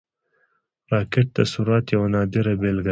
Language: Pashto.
راکټ د سرعت یوه نادره بیلګه ده